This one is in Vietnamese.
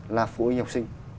là phụ huynh học sinh